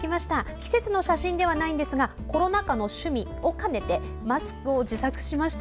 季節の写真ではないんですがコロナ禍の趣味を兼ねてマスクを自作しました。